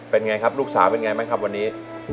เป็นไงครับลูกสาวเป็นไงไหมครับวันนี้